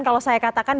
kalau saya katakan